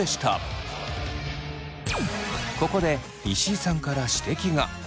ここで石井さんから指摘が。